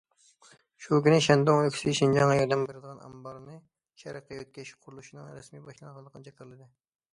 شۇ كۈنى شەندۇڭ ئۆلكىسى شىنجاڭغا ياردەم بېرىدىغان ئامبارنى شەرققە يۆتكەش قۇرۇلۇشىنىڭ رەسمىي باشلانغانلىقىنى جاكارلىدى.